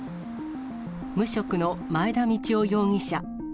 無職の前田道夫容疑者。